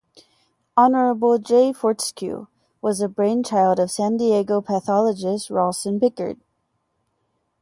Honorable J. Fortescue was a brainchild of San Diego pathologist Rawson Pickard.